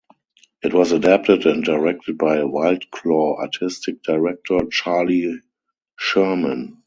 It was adapted and directed by WildClaw artistic director Charley Sherman.